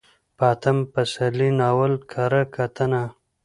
په اتم پسرلي ناول کره کتنه: